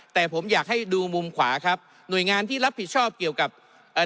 แต่ผมอยากให้ดูมุมขวาครับหน่วยงานที่รับผิดชอบเกี่ยวกับเอ่อ